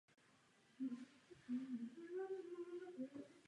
Slovanské hradiště zde podle výzkumů nikdy nebylo.